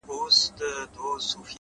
اراده د ستونزو پولې ماتوي,